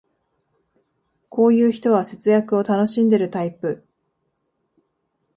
こういう人は節約を楽しんでるタイプ